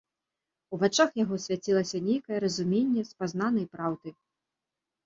У вачах яго свяцілася нейкае разуменне спазнанай праўды.